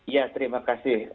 ya terima kasih